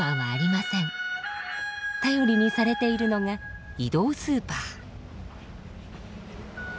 頼りにされているのが移動スーパー。